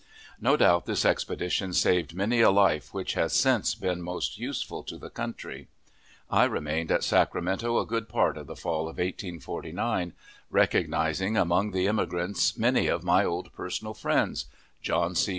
No doubt this expedition saved many a life which has since been most useful to the country. I remained at Sacramento a good part of the fall of 1849, recognizing among the immigrants many of my old personal friends John C.